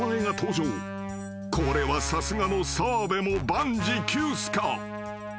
［これはさすがの澤部も万事休すか？］